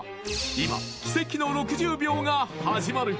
今奇跡の６０秒が始まる